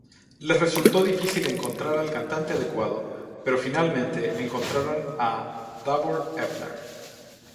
Les resultó difícil encontrar al cantante adecuado, pero, finalmente, encontraron a Davor Ebner.